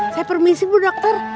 saya permisi bu dokter